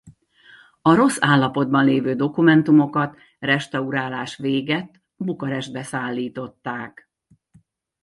A rossz állapotban levő dokumentumokat restaurálás végett Bukarestbe szállították.